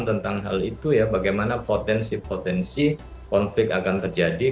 bahwa bagaimana potensi potensi konflik akan terjadi